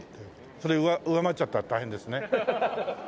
それ上回っちゃったら大変ですね。